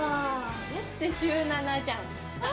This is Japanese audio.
それって週７じゃん。